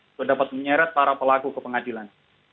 untuk dapat menyeret para pelaku ke pengadilan